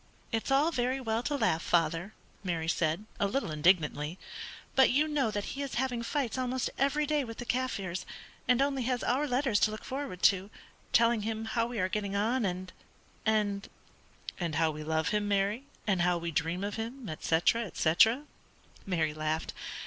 "It's all very well to laugh, father," Mary said, a little indignantly, "but you know that he is having fights almost every day with the Kaffirs, and only has our letters to look forward to, telling him how we are getting on and and " "And how we love him, Mary, and how we dream of him, etc., etc." Mary laughed.